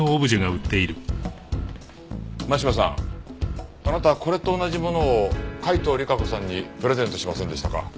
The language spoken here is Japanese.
真柴さんあなたこれと同じものを海東莉華子さんにプレゼントしませんでしたか？